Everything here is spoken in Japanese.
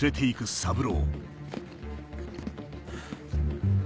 三郎！